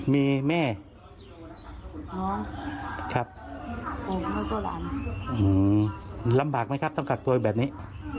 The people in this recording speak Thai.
มีแม่น้องครับลำบากไหมครับต้องกลักตัวแบบนี้